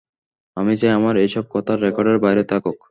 আমি চাই আমার এইসব কথা রেকর্ডের বাইরে থাকুক।